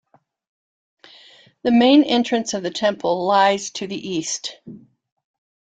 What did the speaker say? The main entrance of the temple lies to the east.